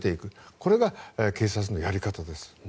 これが警察のやり方です。